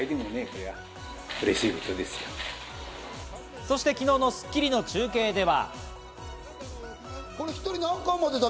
そして昨日の『スッキリ』の中継では。